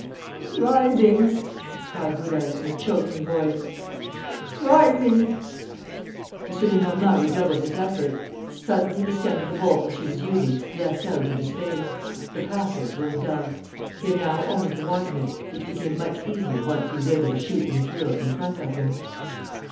"It's rising," cried Gourel, in a choking voice, "it's rising!" M. Lenormand redoubled his efforts. Suddenly the stem of the bolt which he was using leapt out into space. The passage was dug. He had now only to widen it, which became much easier once he was able to shoot the materials in front of him.